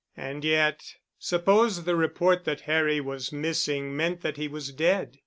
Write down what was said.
And yet ... suppose the report that Harry was missing meant that he was dead.